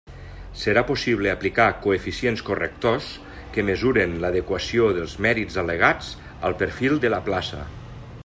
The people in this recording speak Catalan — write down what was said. Serà possible aplicar coeficients correctors que mesuren l'adequació dels mèrits al·legats al perfil de la plaça.